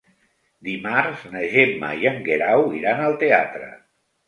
Dimarts na Gemma i en Guerau iran al teatre.